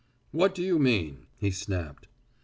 "What do you mean?" he snapped.